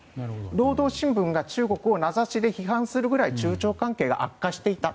労働新聞が中国を名指しで批判するぐらい中朝関係が悪化していた。